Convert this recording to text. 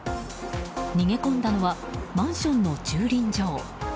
逃げ込んだのはマンションの駐輪場。